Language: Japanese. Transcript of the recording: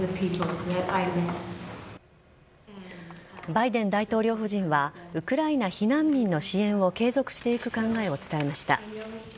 バイデン大統領夫人はウクライナ避難民の支援を継続していく考えを伝えました。